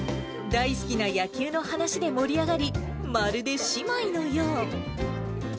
大好きな野球の話で盛り上がり、まるで姉妹のよう。